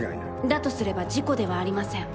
だとすれば事故ではありません。